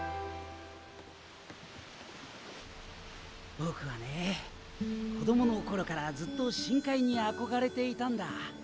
僕はね子供の頃からずっと深海に憧れていたんだ。